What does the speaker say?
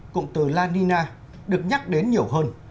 cụm từ la nina được nhắc đến nhiều hơn